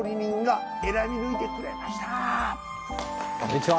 こんにちは。